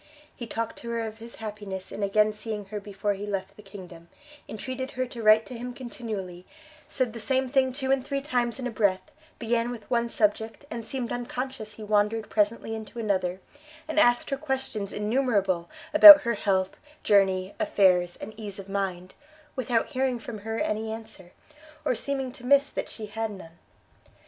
He talked to her of his happiness in again seeing her before he left the kingdom, entreated her to write to him continually, said the same thing two and three times in a breath, began with one subject, and seemed unconscious he wandered presently into another, and asked her questions innumerable about her health, journey, affairs, and ease of mind, without hearing from her any answer, or seeming to miss that she had none.